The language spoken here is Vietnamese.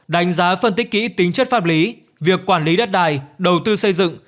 đánh giá phân tích kỹ tính chất pháp lý việc quản lý đất đai đầu tư xây dựng